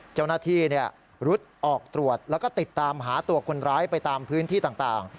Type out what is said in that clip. เจ้าหน้าที่รุดออกตรวจแล้วก็ติดตามหาตัวคนร้ายไปตามพื้นที่ต่าง